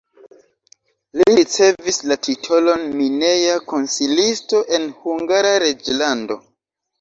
Li ricevis la titolon mineja konsilisto en Hungara reĝlando.